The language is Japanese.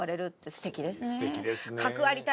すてきですね。